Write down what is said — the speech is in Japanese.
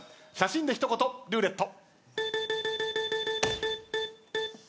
写真でルーレット